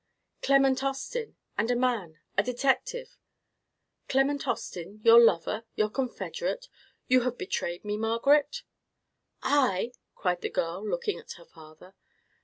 "Clement Austin, and a man—a detective——" "Clement Austin—your lover—your confederate? You have betrayed me, Margaret!" "I!" cried the girl, looking at her father.